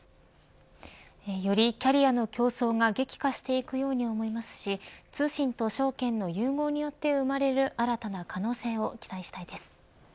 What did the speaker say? よりキャリアの競争が激化していくように思いますし通信と証券の融合によって生まれる新たな可能性を期待したいです。